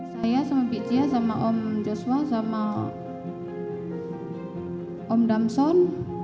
saya sama bijia sama om joshua sama om damson